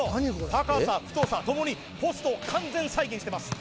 高さ太さともにポストを完全再現してます